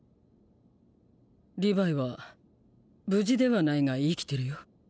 リヴァイは無事ではないが生きてるよ。